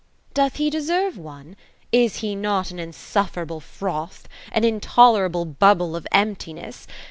'^ Doth de deserve one ? Is he not an insufferable froth ? An in tolerable bubble of emptiness